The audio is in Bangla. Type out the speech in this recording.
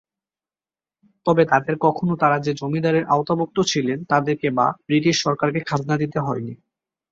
তবে তাদের কখনো তারা যে জমিদারের আওতাভুক্ত ছিলেন তাদেরকে বা ব্রিটিশ সরকারকে খাজনা দিতে হয়নি।